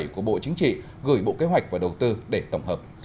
bảy mươi bảy của bộ chính trị gửi bộ kế hoạch và đầu tư để tổng hợp